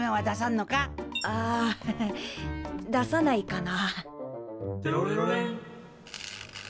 ああ出さないかな。